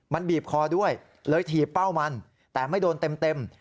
มันบีบคอด้วยเลยถีบเป้ามันแต่ไม่โดนเต็ม